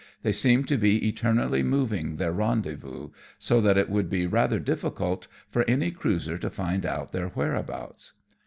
They seem to be eternally moving their rendezvous, so that it would be rather difficult for any cruiser to find out their whereabouts."